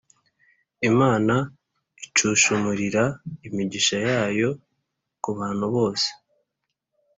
imana icunshumurira imigisha yayo ku bantu bose